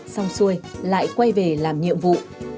xong xuôi lại quay về làm nhiệm vụ